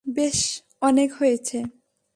বেশ, অনেক হয়েছে।